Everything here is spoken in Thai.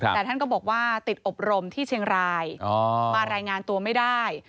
แต่ท่านก็บอกว่าติดอบรมที่เชียงรายมารายงานตัวไม่ได้